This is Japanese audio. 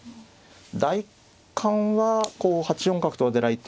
第一感はこう８四角と出られて。